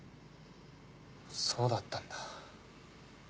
そうだったんだ。